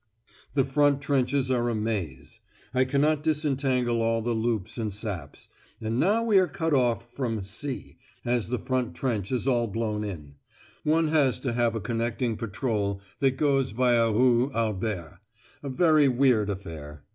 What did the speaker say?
The front trenches are a maze. I cannot disentangle all the loops and saps; and now we are cut off from 'C,' as the front trench is all blown in; one has to have a connecting patrol that goes viâ Rue Albert. A very weird affair.